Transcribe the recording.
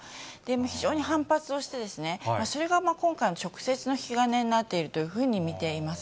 非常に反発をして、それが今回の直接の引き金になっているというふうに見ています。